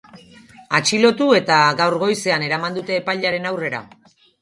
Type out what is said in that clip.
Atxilotu eta gaur goizean eraman dute epailearen aurrera.